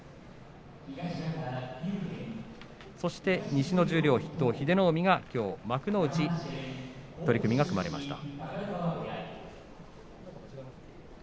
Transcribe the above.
西の十両筆頭の英乃海はきょう幕内で取組が組まれました。